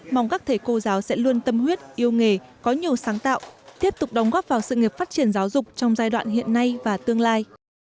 mong các thầy cô giáo sẽ luôn tâm huyết yêu nghề có nhiều sáng tạo tiếp tục đóng góp vào sự nghiệp phát triển giáo dục trong giai đoạn hiện nay và tương lai